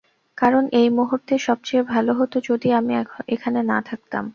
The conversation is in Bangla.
কারণ এই মুহূর্তে সবচেয়ে ভালো হতো যদি আমি এখানে না থাকতাম।